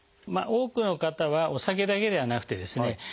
多くの方はお酒だけではなくてですね